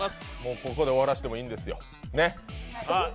ここで終わらせてもいいんですよ。